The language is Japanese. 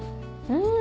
うん。